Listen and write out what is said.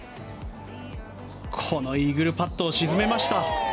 このイーグルパットを沈めました。